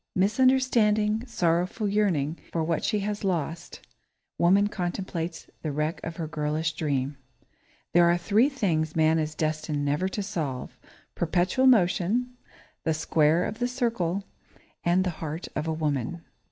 Misunderstanding, sorrowful, yearning for what she has lost, woman contemplates the wreck of her girlish dream. [Sidenote: The Heart of a Woman] There are three things man is destined never to solve perpetual motion, the square of the circle, and the heart of a woman.